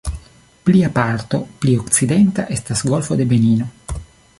Plia parto, pli okcidenta, estas la "Golfo de Benino".